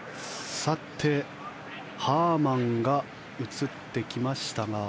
ハーマンが映ってきましたが。